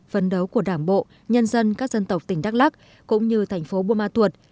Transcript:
phấn đấu của đảng bộ nhân dân các dân tộc tỉnh đắk lắc cũng như thành phố buôn ma thuột